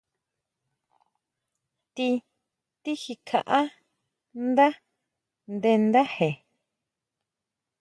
Ti tijikjaʼá nda nde ndáje.